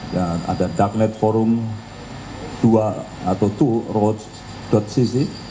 yang ada darknet forum dua cc